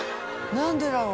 何でだろう？